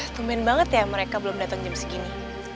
lumayan banget ya mereka belum datang jam segini